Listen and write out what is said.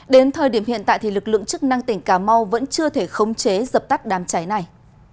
đến thời điểm hiện tại thì lực lượng chức năng tỉnh cà mau vẫn chưa thể khống chế dập tắt đám cháy này